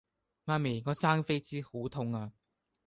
媽咪我生痱滋好痛呀